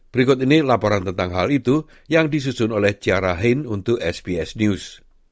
berikut ini laporan tentang hal itu yang disusun oleh ciara hain untuk sbs news